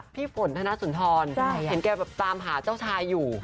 พี่ฝนธนสุนทรเห็นแกแบบตามหาเจ้าชายอยู่